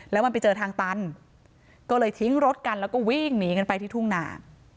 แล้วมันไปเจอทางตันก็เลยทิ้งรถกันแล้วก็วิ่งหนีกันไปที่ทุ่งหนา